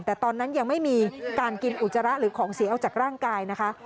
แต่ตอนนั้นยังไม่มีการกินอุจจาระหรือของเสียออกจากร่างกายนะคะ